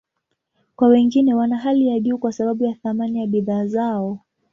Kwa wengine, wana hali ya juu kwa sababu ya thamani ya bidhaa zao.